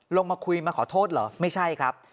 ลงมาคุยมาขอโทษเหรอไม่ใช่ครับ